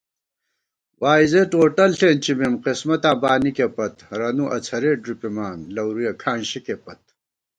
وائی زېڈ ووٹل ݪېنچِمېم، قسمتاں بانِکےپت * ہرَنُو اڅَھرېت ݫُپِمان لَورُیَہ کھانشِکےپت